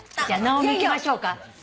じゃあ「なおみ」いきましょうか。